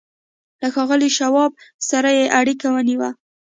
له ښاغلي شواب سره يې اړيکه ونيوه.